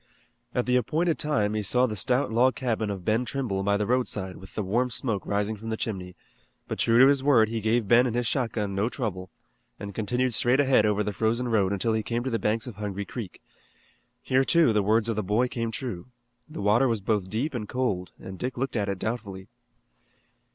At the appointed time he saw the stout log cabin of Ben Trimble by the roadside with the warm smoke rising from the chimney, but true to his word he gave Ben and his shotgun no trouble, and continued straight ahead over the frozen road until he came to the banks of Hungry Creek. Here, too, the words of the boy came true. The water was both deep and cold, and Dick looked at it doubtfully.